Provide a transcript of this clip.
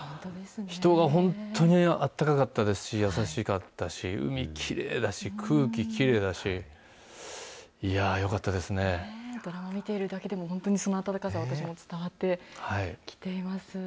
人が本当にあったかかったですし、優しかったし、海きれいだし、空気きれいだし、いやぁ、よかったドラマ見ているだけでも、本当にその温かさ、私も伝わってきています。